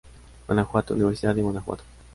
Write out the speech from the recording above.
Guanajuato: Universidad de Guanajuato.